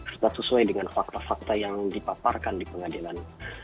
setelah sesuai dengan fakta fakta yang dipaparkan di pengadilan